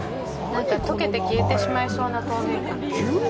溶けて消えてしまいそうな透明感。